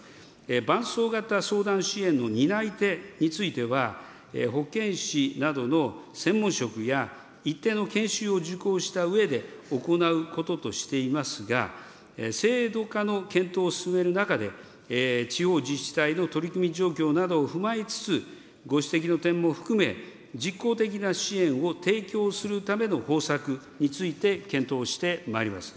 伴走型相談支援の担い手については、保健師などの専門職や、一定の研修を受講したうえで、行うこととしていますが、制度化の検討を進める中で、地方自治体の取り組み状況などを踏まえつつ、ご指摘の点も含め、実効的な支援を提供するための方策について検討してまいります。